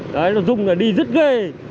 đấy nó rung là đi rất ghê